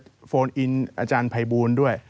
คุณจะโฟล์อินอาจารย์พัยบูรณ์ด้วย